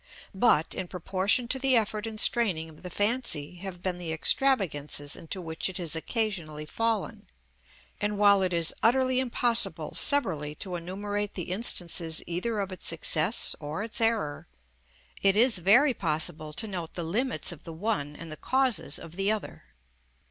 But, in proportion to the effort and straining of the fancy, have been the extravagances into which it has occasionally fallen; and while it is utterly impossible severally to enumerate the instances either of its success or its error, it is very possible to note the limits of the one and the causes of the other.